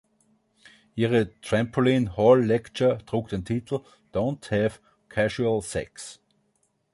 Ihre Trampoline Hall Lecture trug den Titel „Don't Have Casual Sex“.